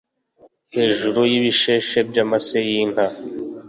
hejuru y’ibisheshe by’amase y’inka